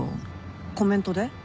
コメントで？